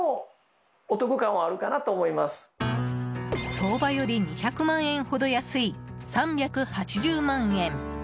相場より２００万円ほど安い３８０万円！